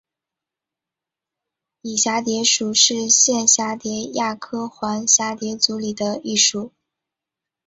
漪蛱蝶属是线蛱蝶亚科环蛱蝶族里的一属。